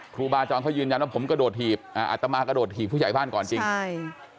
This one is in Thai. ครูบาจรเขายืนยันว่าผมกระโดดหีบอ่าอัตมากระโดดถีบผู้ใหญ่บ้านก่อนจริงใช่